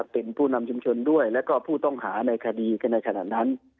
เป็นผู้นำชุมชนด้วยแล้วก็ผู้ต้องหาในคดีกันในขณะนั้น